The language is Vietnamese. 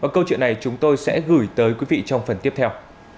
câu chuyện này chúng tôi sẽ gửi tới quý vị trong phần tiếp theo